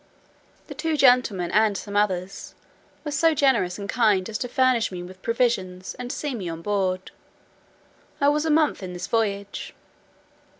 The two gentlemen, and some others, were so generous and kind as to furnish me with provisions, and see me on board. I was a month in this voyage.